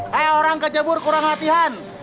hei orang kejabur kurang hatihan